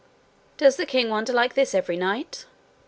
'Does the king wander like this every night?'